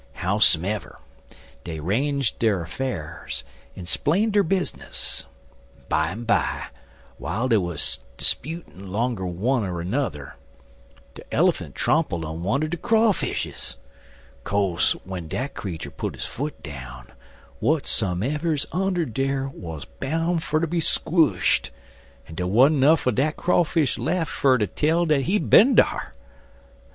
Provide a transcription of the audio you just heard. Howsomever, dey 'ranged der 'fairs, en splained der bizness. Bimeby, w'ile dey wuz 'sputin' 'longer one er nudder, de Elephant trompled on one er de Crawfishes. Co'se w'en dat creetur put his foot down, w'atsumever's under dar wuz boun' fer ter be squshed, en dey wa'n't nuff er dat Crawfish lef' fer ter tell dat he'd bin dar.